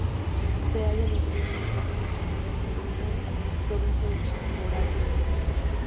Se halla al interior en el Parque nacional Sangay, provincia de Chimborazo.